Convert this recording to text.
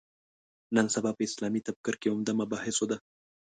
نن سبا په اسلامي تفکر کې عمده مباحثو ده.